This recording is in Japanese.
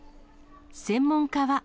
専門家は。